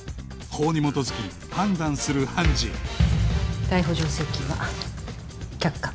法に基づき判断する判事逮捕状請求は却下。